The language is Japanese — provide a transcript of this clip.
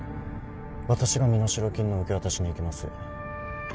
私が身代金の受け渡しに行きます